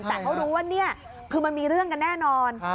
แต่เขารู้ว่านี่คือมันมีเรื่องกันแน่นอน